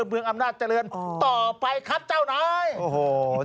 เมืองอ้ำหน้าเจริญต่อไปครับเจ้าน้อย